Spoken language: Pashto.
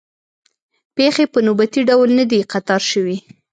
پېښې په نوبتي ډول نه دي قطار شوې.